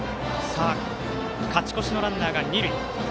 勝ち越しのランナーが二塁。